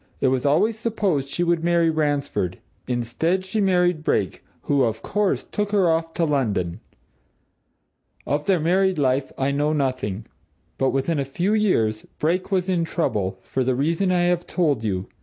It was always supposed she would marry Ransford; instead, she married Brake, who, of course, took her off to London. Of their married life, I know nothing. But within a few years, Brake was in trouble, for the reason I have told you.